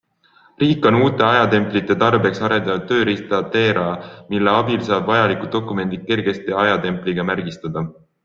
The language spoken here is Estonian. Riik on uute ajatemplite tarbeks arendanud tööriista TeRa, mille abil saab vajalikud dokumendid kergesti ajatempliga märgistada.